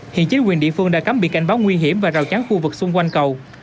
hiện chính quyền địa phương đã cắm bị cảnh báo nguy hiểm và rào chắn khu vực xung quanh cầu